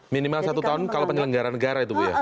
minimal satu tahun kalau penyelenggaraan negara itu ya